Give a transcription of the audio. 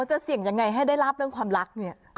จะเสี่ยงยังไงให้ได้รับเรื่องความรักเนี่ย